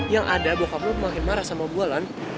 yang ada bokap lo makin marah sama gue lan